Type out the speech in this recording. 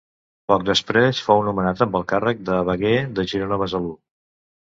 Poc després fou nomenat amb el càrrec de veguer de Girona-Besalú.